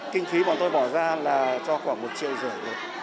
kinh khí bọn tôi bỏ ra là cho khoảng một triệu rưỡi